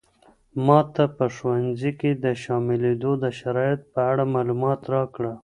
ماته په ښوونځي کې د شاملېدو د شرایطو په اړه معلومات راکړه.